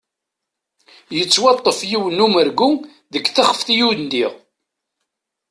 Yettwaṭṭef yiwen n umergu deg texfet i undiɣ.